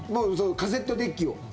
カセットデッキを。